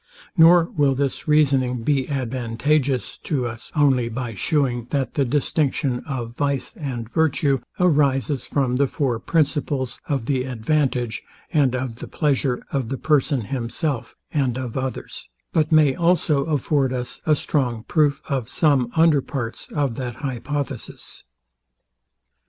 Nor will this reasoning be advantageous to us only by shewing, that the distinction of vice and virtue arises from the four principles of the advantage and of the pleasure of the person himself, and of others: But may also afford us a strong proof of some under parts of that hypothesis.